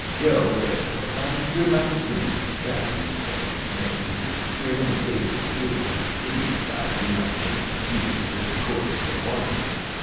Joe, therefore, thought it a good opportunity of travelling with a band of men who could secure him a favourable hearing from the Indian tribes they might chance to meet with in the course of their wanderings.